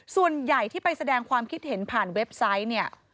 ส่วนใหญ่ที่ไปแสดงความคิดเห็นผ่านเว็บไซต์เนี่ย